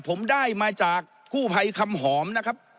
ผมได้มาจากกู้ภัยคำหอมนะครับ